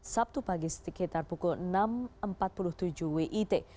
sabtu pagi sekitar pukul enam empat puluh tujuh wit